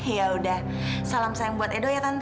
ya udah salam sayang buat edo ya kan